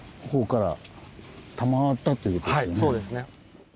はいそうですね。